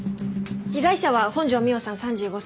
被害者は本条美緒さん３５歳。